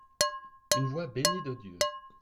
Une voix bénie de Dieu !